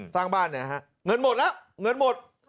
สร้างบ้านเนี่ยฮะเงินหมดแล้วเงินหมด